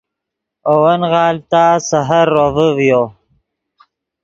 اے ون غالڤ تا سحر روڤے ڤیو